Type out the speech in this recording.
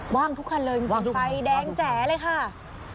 ว่างทุกคันเลยไฟแดงแจ๋เลยค่ะ